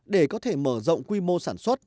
để có thể mở rộng quy mô sản xuất